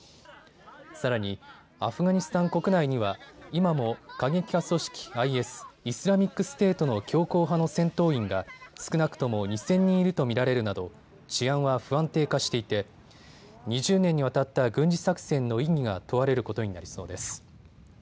さらにアフガニスタン国内には今も過激派組織ＩＳ・イスラミックステートの強硬派の戦闘員が少なくとも２０００人いると見られるなど治安は不安定化していて２０年にわたった軍事作戦の意義が問われることになりそうです。